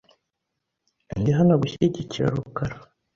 Ndi hano gushyigikira rukara .